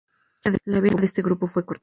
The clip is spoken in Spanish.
La vida de este grupo fue corta.